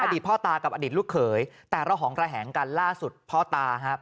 พ่อตากับอดีตลูกเขยแต่ระหองระแหงกันล่าสุดพ่อตาครับ